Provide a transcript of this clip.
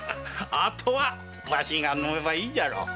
あとは私が飲めばいいじゃろう。